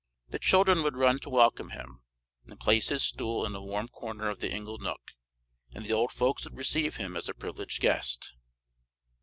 The children would run to welcome him, and place his stool in a warm corner of the ingle nook, and the old folks would receive him as a privileged guest.